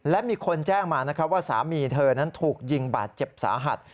และมีคนแจ้งมานะครับว่าสามีเธอนั้นถูกยิงบาดเจ็บสาหัส